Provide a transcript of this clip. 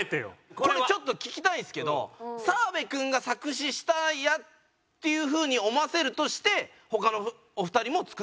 これちょっと聞きたいんですけど澤部君が作詞したっていう風に思わせるとして他のお二人も作ってるのか。